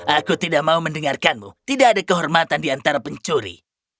aku tidak mau mendengarkanmu tidak ada kehormatan diantara pencuri